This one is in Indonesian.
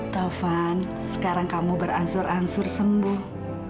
taufan sekarang kamu beransur ansur sembuh